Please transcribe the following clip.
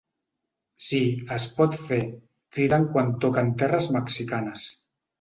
Sí, es pot fer, criden quan toquen terres mexicanes.